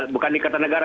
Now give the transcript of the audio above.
bukan di kertanegara